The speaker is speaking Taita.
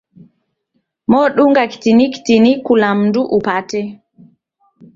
modunga kitini kitini kula mundu upate.